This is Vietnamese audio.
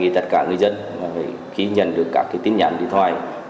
tất cả người dân khi nhận được các tin nhắn điện thoại